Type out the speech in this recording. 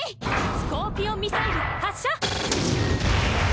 スコーピオンミサイル発射！